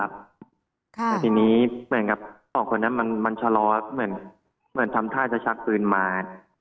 แต่ทีนี้เหมือนกับสองคนนั้นมันชะลอเหมือนทำท่าจะชักปืนมา